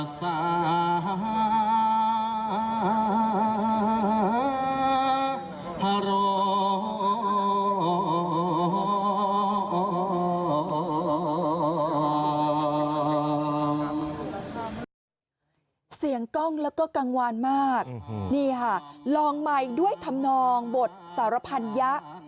เสียงกล้องแล้วก็กังวานมากนี่ค่ะลองใหม่ด้วยธรรมนองบทสารพันยะ